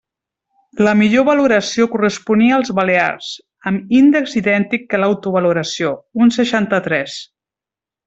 La millor valoració corresponia als balears, amb índex idèntic que l'autovaloració, un seixanta-tres.